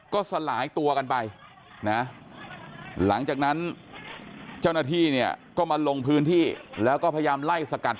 ก็สลายตัวกันไปนะหลังจากนั้นเจ้าหน้าที่เนี่ยก็มาลงพื้นที่แล้วก็พยายามไล่สกัด